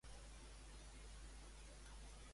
Es va gravar a Camarasa, un poble de Barcelona.